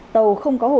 tàu không có hồ sơ